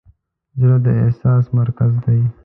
زړه د احساس مرکز دی.